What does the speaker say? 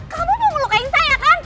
kamu mau melukain saya kan